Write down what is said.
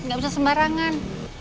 gak bisa sembarangan